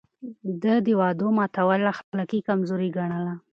ده د وعدو ماتول اخلاقي کمزوري ګڼله.